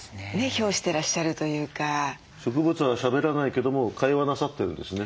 植物はしゃべらないけども会話なさってるんですね。